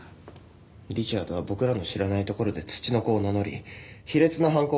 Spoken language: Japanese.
リチャードは僕らの知らないところでツチノコを名乗り卑劣な犯行を繰り返していた。